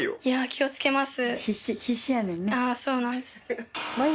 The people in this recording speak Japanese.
気を付けます。